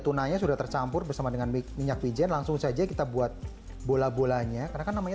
tunanya sudah tercampur bersama dengan minyak wijen langsung saja kita buat bola bolanya karena kan namanya